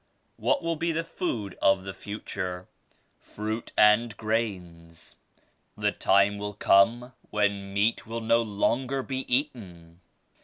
"What will be the food of the future?" *Truit and grains. The time will come when meat will no longer be eaten.